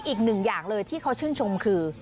อีกหนึ่งอย่างเลยที่เขาชื่นชมคือ